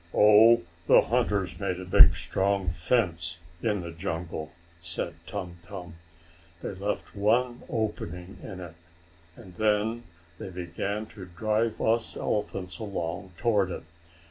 "Oh, the hunters made a big, strong fence in the jungle," said Tum Tum. "They left one opening in it, and then they began to drive us elephants along toward it.